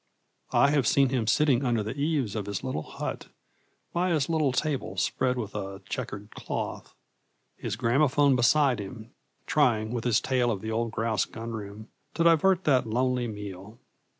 I have seen him sitting under the eaves of his little hut, by his little table spread with a checkered cloth, his gramophone beside him, trying, with its tale of the old grouse gunroom, to divert that lonely meal.